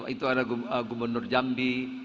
itu ada gubernur jambi